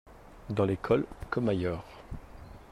dans l'école comme ailleurs.